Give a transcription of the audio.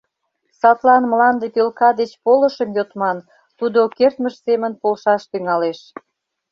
Садлан мланде пӧлка деч полышым йодман, тудо кертмыж семын полшаш тӱҥалеш.